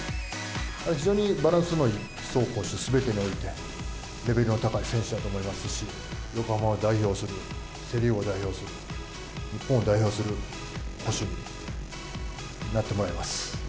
非常にバランスのいい、走攻守すべてにおいてレベルの高い選手だと思いますし、横浜を代表する、セ・リーグを代表する、日本を代表する捕手になってもらいます。